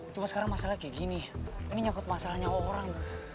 cuma sekarang masalahnya kayak gini ini nyangkut masalahnya orang